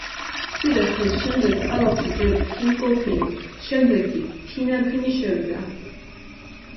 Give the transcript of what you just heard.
მცირე ხნის შემდეგ ქალაქში ჯერ ფინგოლფინი, შემდეგ კი ფინარფინი, შევიდა.